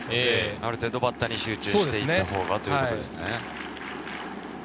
ある程度バッターに集中していったほうがいいということですね。